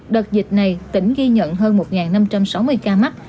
đợt dịch này tỉnh ghi nhận hơn một năm trăm sáu mươi ca mắc